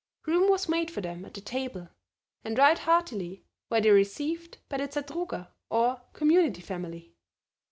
Room was made for them at the table, and right heartily were they received by the Zadruga, or Community family.